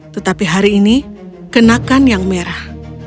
tetapi hari ini kenakan yang merah